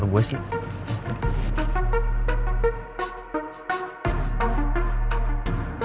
jangan lurus ya belok aja